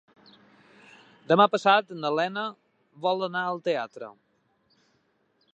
Demà passat na Lena vol anar al teatre.